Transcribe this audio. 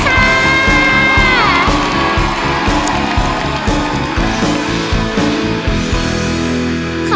ทางนี้ด้วยค่ะ